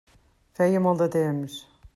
Feia molt de temps.